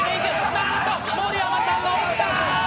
なんと盛山さんが落ちた！